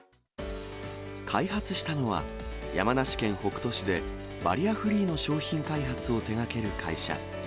開発したのは、山梨県北杜市で、バリアフリーの商品開発を手がける会社。